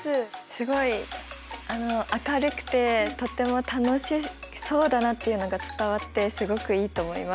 すごい明るくてとても楽しそうだなっていうのが伝わってすごくいいと思います。